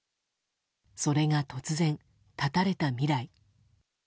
それが突然、絶たれた未来。